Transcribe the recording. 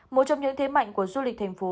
một trong những thế mạnh của du lịch thành phố